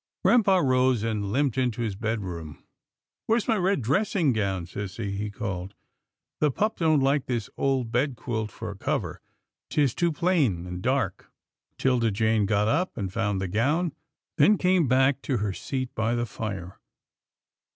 Grampa rose, and limped into his bed room. " Where's my red dressing gown, sissy ?" he called. " The pup don't like this old bed quilt for a cover. 'Tis too plain and dark." 'Tilda Jane got up and found the gown, then came back to her seat by the fire.